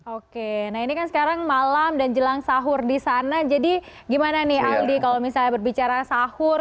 oke nah ini kan sekarang malam dan jelang sahur di sana jadi gimana nih aldi kalau misalnya berbicara sahur